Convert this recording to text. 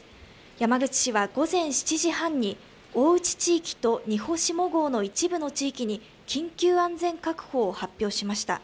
山口市は午前７時半に大内地域と仁保下郷の一部の地域に緊急安全確保を発表しました。